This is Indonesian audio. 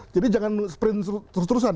jadi jangan sprint terus terusan